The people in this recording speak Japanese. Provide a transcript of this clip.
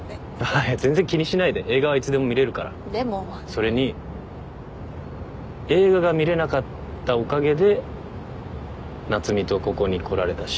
それに映画が見れなかったおかげで夏海とここに来られたし。